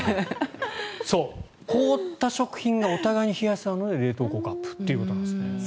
凍った食品がお互いに冷やすので冷凍効果アップということなんですね。